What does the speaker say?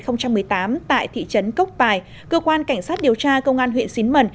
năm hai nghìn một mươi tám tại thị trấn cốc bài cơ quan cảnh sát điều tra công an huyện xín mần